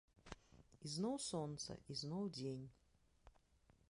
Ізноў сонца, ізноў дзень.